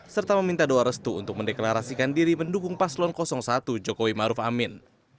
serta meminta doa restu untuk mendeklarasikan diri mendukung paslon satu jokowi maruf amin